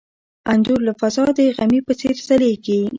انځور له فضا د غمي په څېر ځلېږي.